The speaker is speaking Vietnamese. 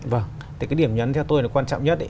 vâng thì cái điểm nhấn theo tôi là quan trọng nhất